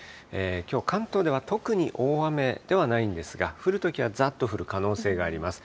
きょう関東では特に大雨ではないんですが、降るときは、ざっと降る可能性があります。